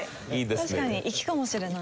確かに粋かもしれない。